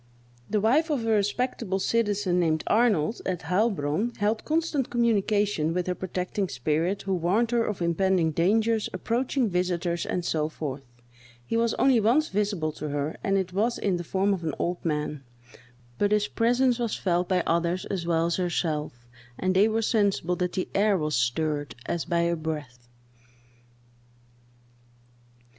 The wife of a respectable citizen, named Arnold, at Heilbronn, held constant communications with her protecting spirit, who warned her of impending dangers, approaching visiters, and so forth. He was only once visible to her, and it was in the form of an old man; but his presence was felt by others as well as herself, and they were sensible that the air was stirred, as by a breath.